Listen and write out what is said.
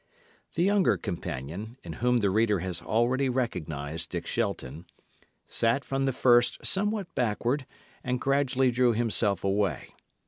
The younger companion, in whom the reader has already recognised Dick Shelton, sat from the first somewhat backward, and gradually drew himself away.